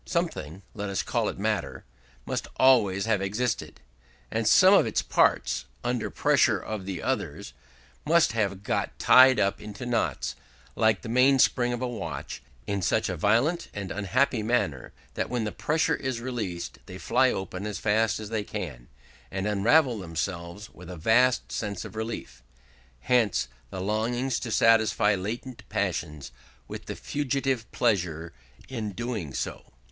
Something let us call it matter must always have existed, and some of its parts, under pressure of the others, must have got tied up into knots, like the mainspring of a watch, in such a violent and unhappy manner that when the pressure is relaxed they fly open as fast as they can, and unravel themselves with a vast sense of relief. Hence the longing to satisfy latent passions, with the fugitive pleasure in doing so.